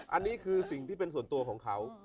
อันนี้คือสิ่งที่เป็นส่วนตัวของเขา